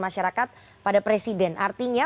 masyarakat pada presiden artinya